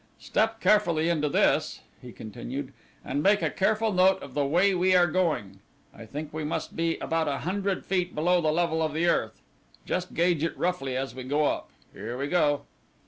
Step carefully into this," he continued, "and make a careful note of the way we are going. I think we must be about a hundred feet below the level of the earth; just gauge it roughly as we go up. Here we go."